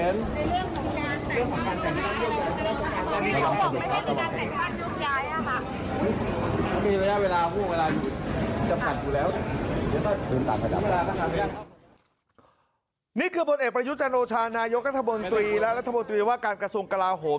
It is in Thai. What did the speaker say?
นี่คือผลเอกประยุทธ์จันโอชานายกรัฐมนตรีและรัฐมนตรีว่าการกระทรวงกลาโหม